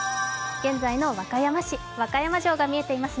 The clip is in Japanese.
和歌山市、和歌山城が見えています